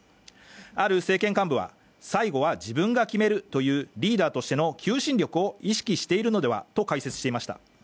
ある政権幹部は、最後は自分が決めるというリーダーとしての求心力を意識しているのではと解説していました。